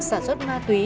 sản xuất ma túy